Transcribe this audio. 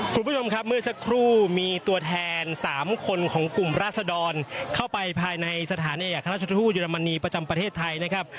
คุณผู้ชมครับเมื่อสักครู่มีตัวแทน๓คนของกลุ่มราศดรเข้าไปภายในสถานเอกราชทูตเยอรมนีประจำประเทศไทยนะครับ